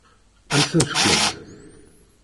Ad m-ten-fkent?